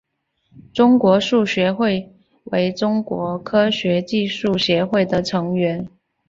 中国数学会为中国科学技术协会的成员。